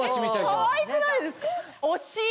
かわいくないですか？